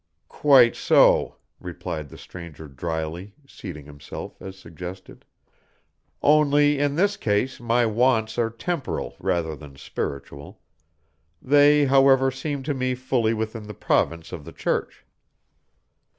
"Quite so," replied the stranger dryly, seating himself as suggested, "only in this case my wants are temporal rather than spiritual. They, however, seem to me fully within the province of the Church."